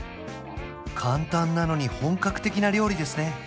簡単なのに本格的な料理ですね